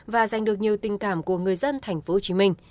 và giành được nhiều tình cảm của người dân tp hcm